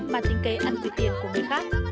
bạn tính kê ăn quy tiền của người khác